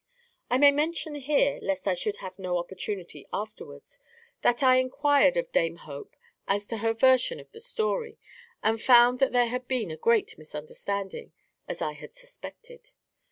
I may mention here, lest I should have no opportunity afterwards, that I inquired of dame Hope as to her version of the story, and found that there had been a great misunderstanding, as I had suspected.